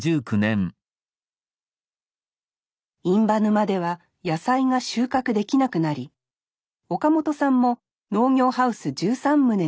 印旛沼では野菜が収穫できなくなり岡本さんも農業ハウス１３棟が全て倒壊。